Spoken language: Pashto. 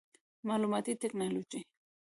معلوماتي ټکنالوجي